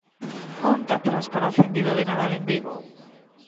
Conta atrás para o acendido de Nadal en Vigo.